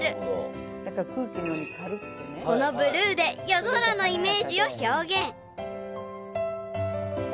［このブルーで夜空のイメージを表現！］